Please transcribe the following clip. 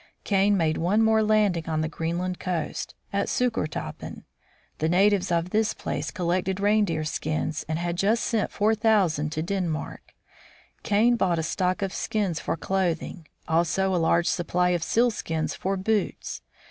Kane made one more landing on the Greenland coast, at Sukkertoppen. The natives of this place collected reindeer skins, and had just sent four thousand to Den mark. Kane bought a stock of skins for clothing, also a large supply of sealskins for boots.